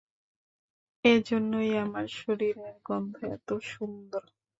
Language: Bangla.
এইজন্যই আমার শরীরের গন্ধ এতো সুন্দর।